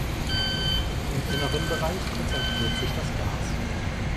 Im inneren Bereich konzentriert sich das Gas.